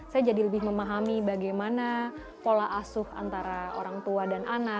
saya jadi lebih memahami bagaimana pola asuh antara orang tua dan anak